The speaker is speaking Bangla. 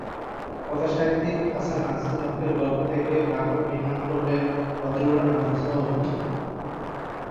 কথাসাহিত্যিক হাসান আজিজুল হকের গল্প থেকে নাটক নির্মাণ করলেন বদরুল আনাম সৌদ।